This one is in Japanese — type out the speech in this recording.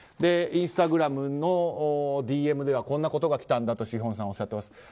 インスタグラムのＤＭではこんなことが来たとシヒョンさんおっしゃっています。